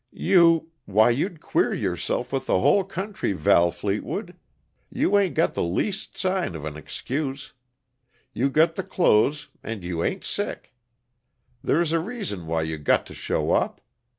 You why, you'd queer yourself with the hull country, Val Fleetwood! You ain't got the least sign of an excuse You got the clothes, and you ain't sick. There's a reason why you got to show up.